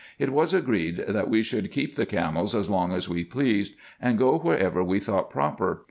It was agreed, that we should keep the camels as long as we pleased, and go wherever we thought proper.